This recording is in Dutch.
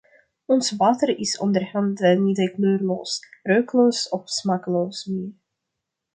Ons water is onderhand niet kleurloos, reukloos of smakeloos meer.